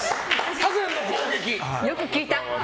よく聞いた！